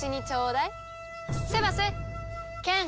セバス剣。